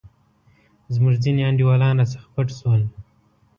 زموږ ځیني انډیوالان راڅخه پټ شول.